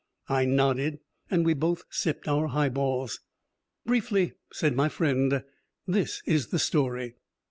I nodded, and we both sipped our highballs. "Briefly," said my friend, "this is the story.